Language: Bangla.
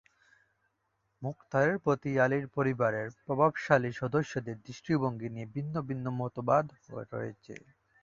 মুখতারের প্রতি আলীর পরিবারের প্রভাবশালী সদস্যদের দৃষ্টিভঙ্গী নিয়ে ভিন্ন ভিন্ন মতবাদ রয়েছে।